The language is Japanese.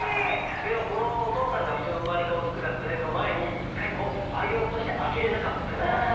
でもお父さんがいつの間にか大きくなったねの前に一回上げようとして上げれなかったじゃないですか。